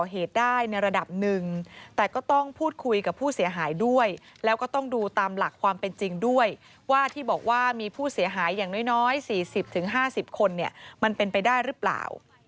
มีผู้เสียหายอย่างน้อย๔๐ถึง๕๐คนมันเป็นไปได้หรือเปล่า